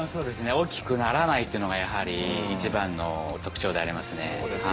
大きくならないというのが一番の特徴でありますね。